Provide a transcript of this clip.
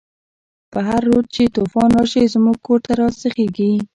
په هر رود چی توفان راشی، زموږ کور ته راسيخيږی